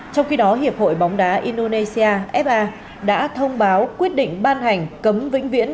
trong khi đó hiệp hội bóng đá indonesia fa đã thông báo quyết định ban hành cấm vĩnh viễn